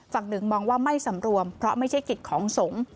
ฝั่งหนึ่งมองว่าไม่สำรวมเพราะไม่ใช่กิจของสงฆ์